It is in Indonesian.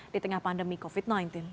setinggah pandemi covid sembilan belas